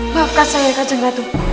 maafkan saya kak jenggatu